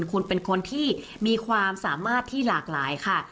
คุณเป็นคนที่มีความสามารถที่หลากหลายค่ะ